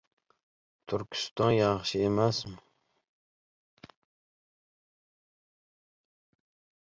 — Turkiston yaxshi emasmi?